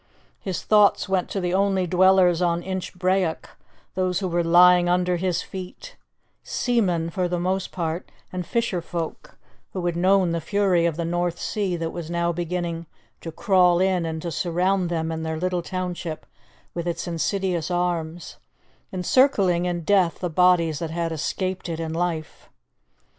His thoughts went to the only dwellers on Inchbrayock, those who were lying under his feet seamen, for the most part, and fisher folk, who had known the fury of the North Sea that was now beginning to crawl in and to surround them in their little township with its insidious arms, encircling in death the bodies that had escaped it in life.